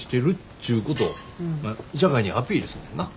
ちゅうことを社会にアピールすんねんな。